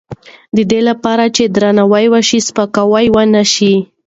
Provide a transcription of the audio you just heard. د دې لپاره چې درناوی وشي، سپکاوی به ونه شي.